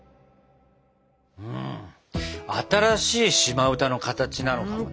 新しい島歌の形なのかもね。